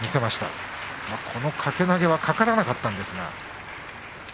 豊昇龍の掛け投げはかからなかったんですが。